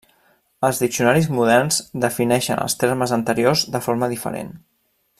Els diccionaris moderns defineixen els termes anteriors de forma diferent.